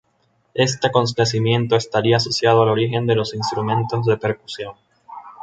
Este acontecimiento estaría asociado al origen de los instrumentos de percusión.